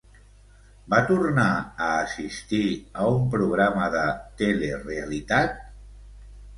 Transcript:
Va tornar a assistir a un programa de telerealitat?